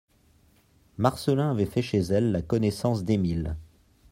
Marcelin avait fait chez elle la connaissance d'Émile.